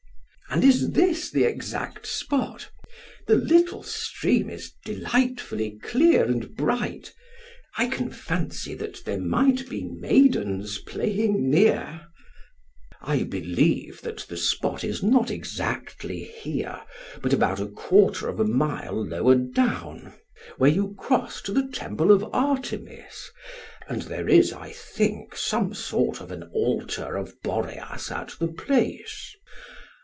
PHAEDRUS: And is this the exact spot? The little stream is delightfully clear and bright; I can fancy that there might be maidens playing near. SOCRATES: I believe that the spot is not exactly here, but about a quarter of a mile lower down, where you cross to the temple of Artemis, and there is, I think, some sort of an altar of Boreas at the place.